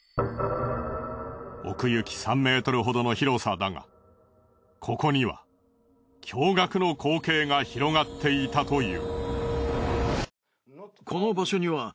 奥行き３ｍほどの広さだがここには驚愕の光景が広がっていたという。